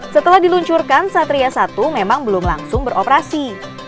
setelah diluncurkan satria satu memang belum langsung beroperasi